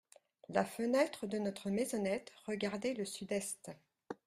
La fenêtre de notre maisonnette regardait le sud-est.